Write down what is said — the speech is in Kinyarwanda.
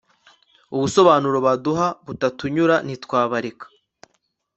ubusobanuro baduha butatunyura ntitwabareka